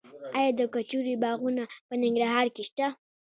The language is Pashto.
آیا د کجورې باغونه په ننګرهار کې شته؟